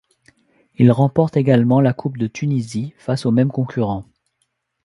Ils remportent également la coupe de Tunisie face au même concurrent.